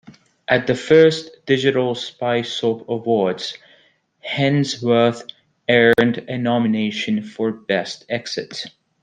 At the first Digital Spy Soap Awards, Hemsworth earned a nomination for Best Exit.